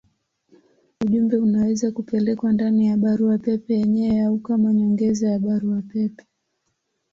Ujumbe unaweza kupelekwa ndani ya barua pepe yenyewe au kama nyongeza ya barua pepe.